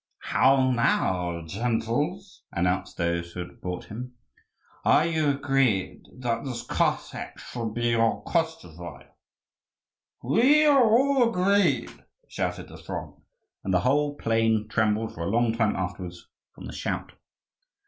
"How now, gentles?" announced those who had brought him, "are you agreed that this Cossack shall be your Koschevoi?" "We are all agreed!" shouted the throng, and the whole plain trembled for a long time afterwards from the shout.